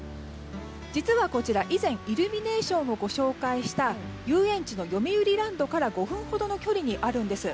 実はこちら、以前イルミネーションをご紹介した遊園地のよみうりランドから５分ほどの距離にあるんです。